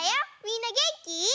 みんなげんき？